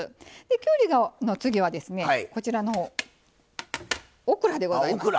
きゅうりの次はですねこちらのオクラでございます。